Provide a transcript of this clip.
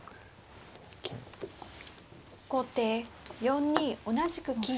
後手４二同じく金引。